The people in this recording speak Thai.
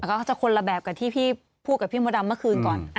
ก็จะคนละแบบกับที่พี่พูดกับพี่มดดำเมื่อคืนก่อน